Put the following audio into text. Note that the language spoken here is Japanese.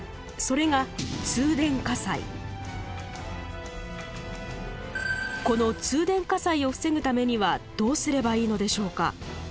この通電火災を防ぐためにはどうすればいいのでしょうか？